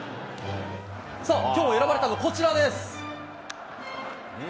さあ、きょう選ばれたのはこちらです。